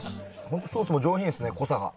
本当ソースも上品ですね濃さが。